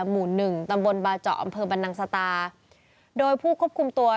หมู่หนึ่งตำบลบาเจาะอำเภอบรรนังสตาโดยผู้ควบคุมตัว